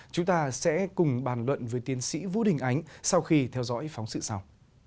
chúng ta sẽ cùng bàn luận với tiến sĩ vũ đình ánh sau khi theo dõi phóng sự sau